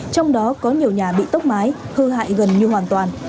trong đó có nhiều nhà bị tốc mái hư hại gần như hoàn toàn